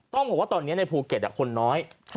ต้องบอกว่าตอนนี้ในภูเก็ตคนน้อย